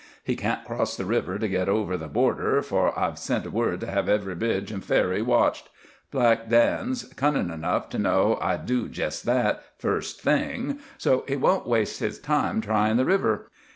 He can't cross the river to get over the Border, for I've sent word to hev every bridge an' ferry watched. Black Dan's cunnin' enough to know I'd do jest that, first thing, so he won't waste his time tryin' the river.